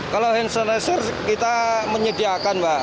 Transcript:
kalau hand sanitizer kita menyediakan mbak